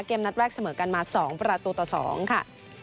เกมนัดแรกเสมอกันมา๒ประตูต่อ๒ค่ะ